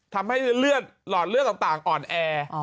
ทำให้หลอนเลือดต่างอ่อนแอ